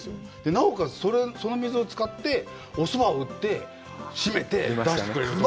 なおかつ、その水を使っておそばを打って、締めてという。